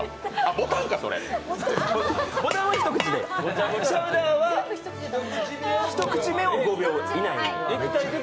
ボタンは一口でチャウダーは一口目を５秒以内に。